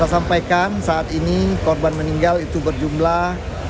saya sampaikan saat ini korban meninggal itu berjumlah